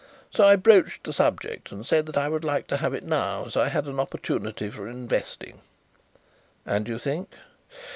So I broached the subject and said that I should like to have it now as I had an opportunity for investing." "And you think?"